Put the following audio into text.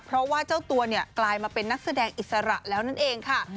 เพราะว่าเจ้าตัวเนี่ยกลายมาเป็นนักแสดงอิสระแล้วนั่นเองค่ะ